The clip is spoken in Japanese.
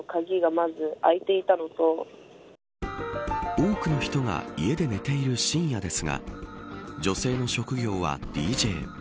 多くの人が家で寝ている深夜ですが女性の職業はＤＪ。